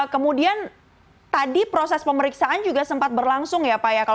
kemudian tadi proses pemeriksaan juga sempat berlangsung ya pak ya kalau saya tidak salah